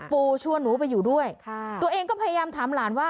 ปูชวนหนูไปอยู่ด้วยตัวเองก็พยายามถามหลานว่า